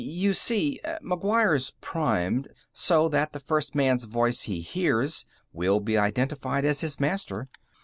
"You see, McGuire's primed so that the first man's voice he hears will be identified as his master.